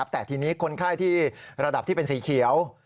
แต่ทีนี้คนไข้ที่ระดับที่เป็นสีเขียว